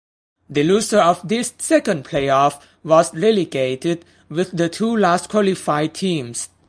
The loser of this second playoff was relegated with the two last qualified teams.